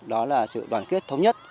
đó là sự đoàn kết thống nhất